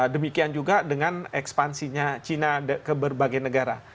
demikian juga dengan ekspansinya china ke berbagai negara